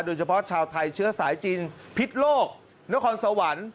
โดยเฉพาะชาวไทยเชื้อสายจีนพิษโลกนครสวรรค์